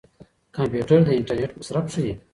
کمپيوټر د انټرنيټ مصرف ښيي.